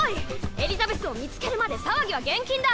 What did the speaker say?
エリザベスを見つけるまで騒ぎは厳禁だ！